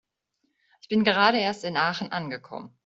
Ich bin gerade erst in Aachen angekommen